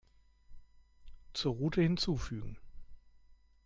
Zur Route hinzufügen.